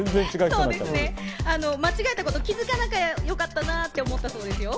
間違えたこと気づかなきゃよかったなと思ったそうですよ。